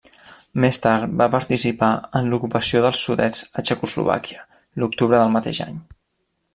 Més tard va participar en l'Ocupació dels Sudets a Txecoslovàquia, l'octubre del mateix any.